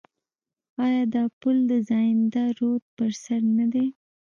آیا دا پل د زاینده رود پر سر نه دی؟